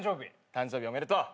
誕生日おめでとう。